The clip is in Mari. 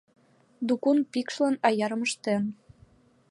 Дукун пикшлан аярым ыштен.